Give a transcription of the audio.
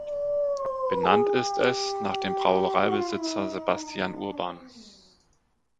Benannt ist es nach dem Brauereibesitzer Sebastian Urban.